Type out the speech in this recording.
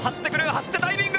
走ってダイビング。